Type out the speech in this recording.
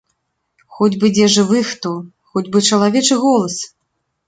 Хоць бы дзе жывы хто, хоць бы чалавечы голас!